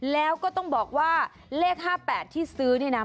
แล้วก็ต้องบอกว่าเลข๕๘ที่ซื้อนี่นะ